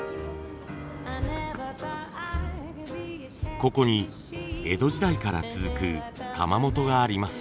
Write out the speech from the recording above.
ここに江戸時代から続く窯元があります。